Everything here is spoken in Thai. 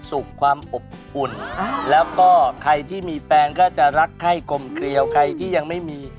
ใจแรงมันเพราบให้ให้กลมเคลียวใครที่ยังไม่มี